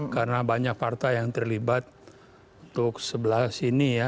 karena banyak partai yang terlibat untuk sebelah sini ya